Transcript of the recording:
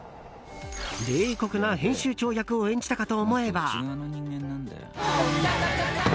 冷酷な編集長役を演じたかと思えば。